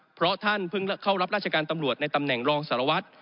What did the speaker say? เพราะท่านเพิ่งเข้ารับราชการตำรวจในตำแหน่งรองสารวัตร